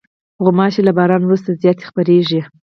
غوماشې له باران وروسته زیاتې خپرېږي.